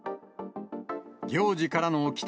行事からの帰宅